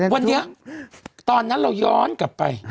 วันนี้ตอนนั้นเราย้อนกลับไป